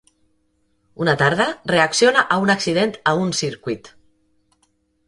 Una tarda, reacciona a un accident a un circuit.